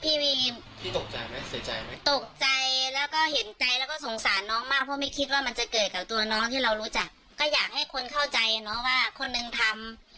พี่ตกใจแล้วก็เห็นใจแล้วก็สงสารน้องมากเพราะไม่คิดว่ามันจะเกิดกับตัวน้องที่เรารู้จักก็อยากให้คนเข้าใจนะว่าคนหนึ่งทำ